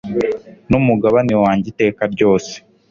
n’umugabane wanjye iteka ryose